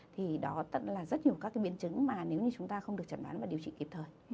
thì đó là rất nhiều các biến chứng mà nếu như chúng ta không được chẩn đoán và điều trị kịp thời